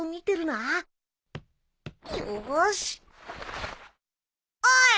よーし・おい！